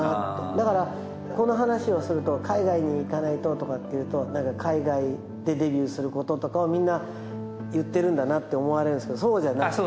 だからこの話をすると海外に行かないととかって言うと海外でデビューすることとかをみんな言ってるんだなって思われるんですけどそうじゃなくて。